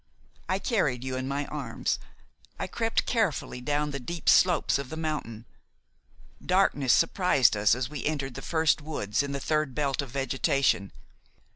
I carried you in my arms. I crept carefully down the deep slopes of the mountain. Darkness surprised us as we entered the first woods, in the third belt of vegetation.